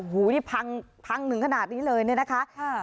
โอ้โหนี่พังพังหนึ่งขนาดนี้เลยเนี่ยนะคะ